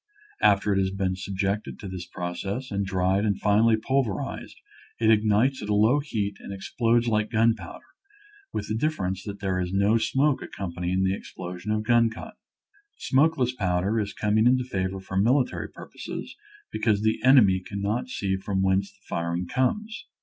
After it has been subjected to this process and dried and finely pulverized it ignites at a low heat and explodes like gunpowder, with the difference that there is no smoke accompanying the ex plosion of gun cotton. Smokeless powder is coming into favor for military purposes be cause the enemy cannot see from whence the firing comes.